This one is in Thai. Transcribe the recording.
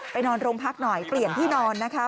นอนโรงพักหน่อยเปลี่ยนที่นอนนะคะ